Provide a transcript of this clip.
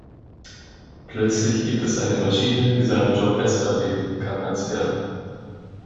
Plötzlich gibt es eine Maschine, die seinen Job besser erledigen kann als er.